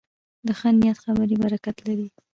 د ښه نیت خبرې برکت لري